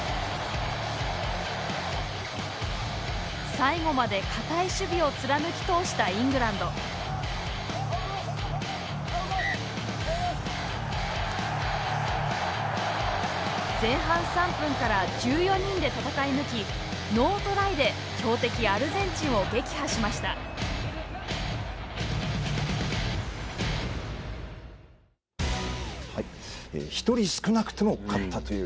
最後まで堅い守備を貫き通したイングランド前半３分から１４人で戦い抜きノートライで強敵アルゼンチンを撃破しました１人少なくても勝ったという。